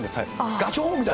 ガチョーンみたい。